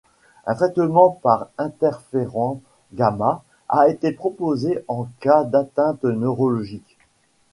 Un traitement par interféron-Gamma a été proposé en cas d'atteinte neurologique.